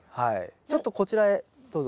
ちょっとこちらへどうぞ。